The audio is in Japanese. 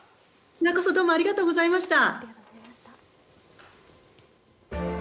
こちらこそどうもありがとうございました。